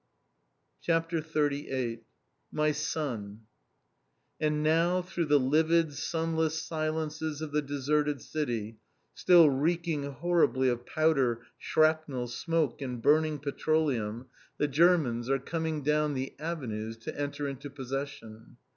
CHAPTER XXXVIII "MY SON!" And now through the livid sunless silences of the deserted city, still reeking horribly of powder, shrapnel, smoke and burning petroleum, the Germans are coming down the Avenues to enter into possession.